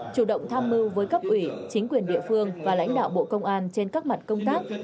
chủ động tham mưu với cấp ủy chính quyền địa phương và lãnh đạo bộ công an trên các mặt công tác